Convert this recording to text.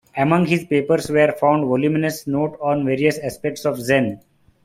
Among his papers were found voluminous notes on various aspects of Zen.